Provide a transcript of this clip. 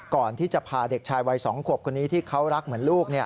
ก่อนที่จะพาเด็กชายวัย๒ขวบคนนี้ที่เขารักเหมือนลูก